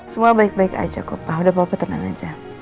semua baik baik aja kok pak udah bapak tenang aja